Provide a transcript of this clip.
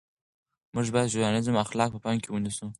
موږ باید د ژورنالیزم اخلاق په پام کې ونیسو.